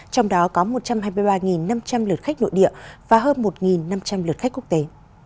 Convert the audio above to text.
trong đó có một trăm hai mươi ba năm trăm linh lượt khách nội địa và hơn một năm trăm linh lượt khách quốc tế